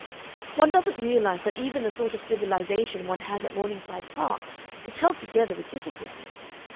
One doesn't realize that even the sort of civilization one has at Morningside Park is held together with difficulty.